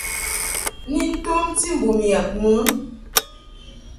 Ni tomti mbum yab mɨ.